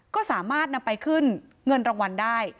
ก็สามารถนำไปขึ้นเงินรางวัลได้